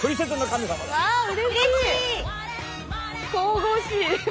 神々しい。